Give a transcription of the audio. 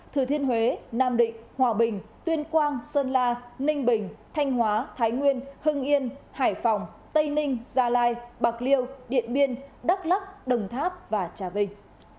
thừa thiên huế nam định hòa bình tuyên quang sơn la ninh bình thanh hóa thái nguyên hưng yên hải phòng tây ninh gia lai bạc liêu điện biên đắk lắc đồng tháp và trà vinh